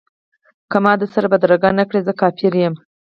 که ما در سره بدرګه نه کړ زه کافر یم.